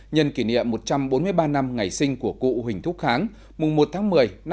nhân kỷ niệm một trăm bốn mươi ba năm ngày sinh của cụ huỳnh thúc kháng mùng một một mươi một nghìn tám trăm bảy mươi sáu